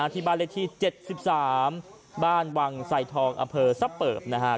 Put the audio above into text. ที่บ้านเลขที่๗๓บ้านวังไสทองอำเภอซับเปิบนะครับ